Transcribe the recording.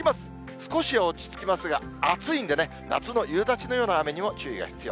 少し落ち着きますが、暑いんでね、夏の夕立のような雨にも注意が必要。